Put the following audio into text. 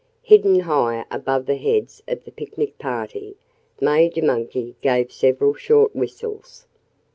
Hidden high above the heads of the picnic party, Major Monkey gave several short whistles.